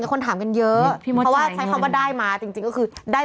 ใช้คำว่าได้มาจริงคือขึ้นตาม